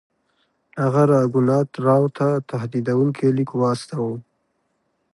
هغه راګونات راو ته تهدیدونکی لیک واستاوه.